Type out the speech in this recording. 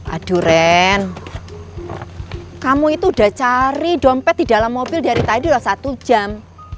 aduh ren kamu itu udah cari dompet di dalam mobil dari tadi udah satu jam